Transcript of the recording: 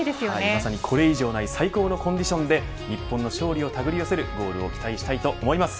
まさにこれ以上ない最高のコンディションで日本の勝利を手繰り寄せることを期待したいです。